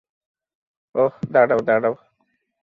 ওহ, দাঁড়াও, দাঁড়াও।